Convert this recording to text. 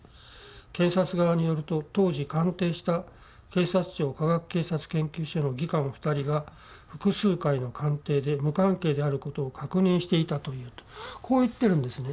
検察官側によると当時鑑定した警察庁科学警察研究所の技官２人が複数回の鑑定で無関係であることを確認していたという」とこう言ってるんですね。